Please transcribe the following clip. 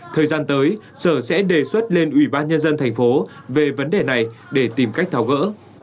thời gian tới sở sẽ đề xuất lên ủy ban nhân dân thành phố về vấn đề này để tìm cách tháo gỡ